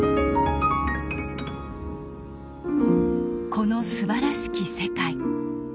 「この素晴らしき世界」。